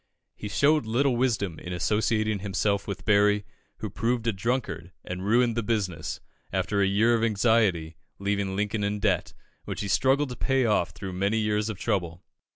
He showed little wisdom in associating himself with Berry, who proved a drunkard, and ruined the business, after a year of anxiety, leaving Lincoln in debt, which he struggled to pay off through many years of trouble.